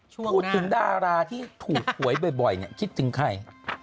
พูดถึงดาราที่ถูกหวยบ่อยคิดถึงใคร